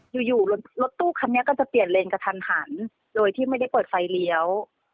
อยู่อยู่รถตู้คันนี้ก็จะเปลี่ยนเลนกระทันหันโดยที่ไม่ได้เปิดไฟเลี้ยว